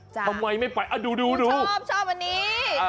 ทำไมไม่ไปดูดูชอบชอบอันนี้